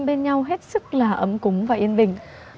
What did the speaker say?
bên nhau hết sức là ấm cúng và yên bình